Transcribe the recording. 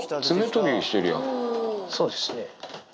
そうですね。